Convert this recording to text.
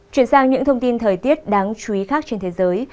chuyển sang những thông tin thời tiết đáng chú ý khác trên thế giới